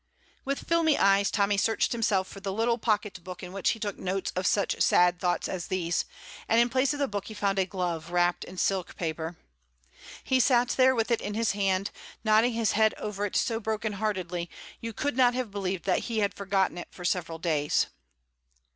With filmy eyes Tommy searched himself for the little pocket book in which he took notes of such sad thoughts as these, and in place of the book he found a glove wrapped in silk paper. He sat there with it in his hand, nodding his head over it so broken heartedly you could not have believed that he had forgotten it for several days.